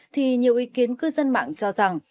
thì nhiều ý kiến cư dân mạng cho rằng